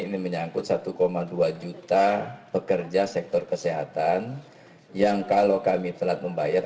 ini menyangkut satu dua juta pekerja sektor kesehatan yang kalau kami telat membayar